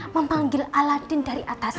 memanggil aladin dari atas